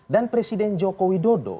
dan presiden jokowi dodo